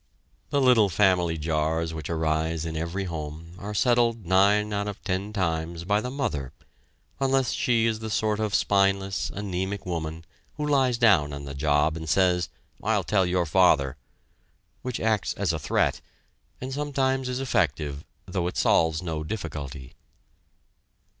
The little family jars which arise in every home, are settled nine out of ten times by the mother, unless she is the sort of spineless, anemic woman, who lies down on the job, and says, "I'll tell your father," which acts as a threat, and sometimes is effective, though it solves no difficulty.